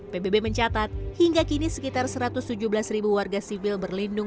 pbb mencatat hingga kini sekitar satu ratus tujuh belas warga sivil berlindung